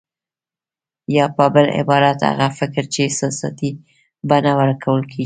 يا په بل عبارت هغه فکر چې احساساتي بڼه ورکول کېږي.